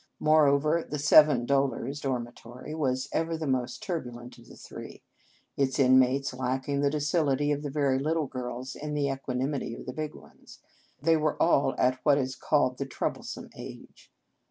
Moreover, the " Seven Dolours " dormitory was ever the most turbulent of the three; its inmates lacking the docility of the very little girls, and the equanimity of the big ones. They were all at what is called the troublesome age.